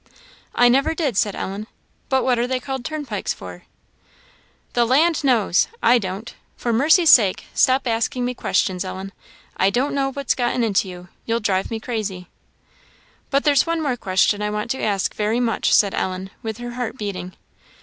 "I never did," said Ellen. "But what are they called turnpikes for?" "The land knows! I don't. For mercy's sake, stop asking me questions, Ellen; I don't know what's gotten into you; you'll drive me crazy." "But there's one more question I want to ask very much," said Ellen, with her heart beating.